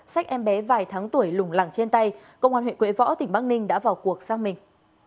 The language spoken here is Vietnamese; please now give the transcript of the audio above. sách em bé vài tháng tuổi lùng lẳng trên tay công an huyện quế võ tỉnh bắc ninh đã vào cuộc xác minh